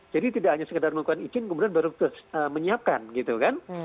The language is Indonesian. jadi tidak hanya sekedar melakukan izin kemudian baru menyiapkan gitu kan